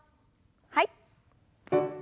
はい。